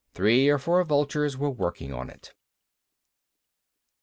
Three or four vultures were working on it.